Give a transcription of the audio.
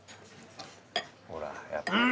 ほらやっぱり。